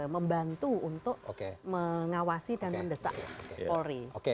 membantu untuk mengawasi dan mendesak polri